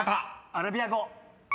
「アラビア語」